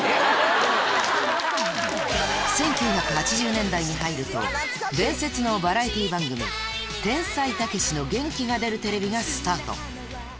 １９８０年代に入ると伝説のバラエティー番組『天才・たけしの元気が出るテレビ‼』がスタート